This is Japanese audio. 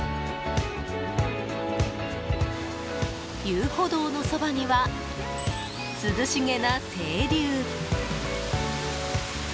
遊歩道のそばには涼しげな清流。